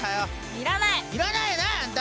いらないやないあんた！